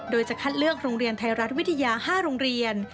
โดยจะคัดเลือกโรงเรียนไทยรัฐวิทยา๕โรงเรียน